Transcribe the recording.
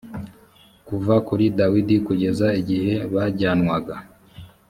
kuva kuri dawidi kugeza igihe bajyanwaga